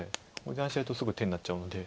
油断してるとすぐ手になっちゃうので。